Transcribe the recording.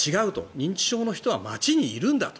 認知症の人は街にいるんだと。